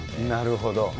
なるほど。